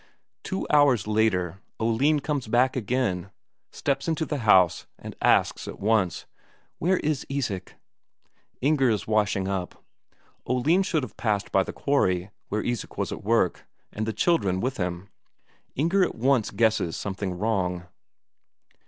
Two hours later, Oline comes back again, steps into the house, and asks at once: "Where is Isak?" Inger is washing up. Oline should have passed by the quarry where Isak was at work, and the children with him; Inger at once guesses something wrong.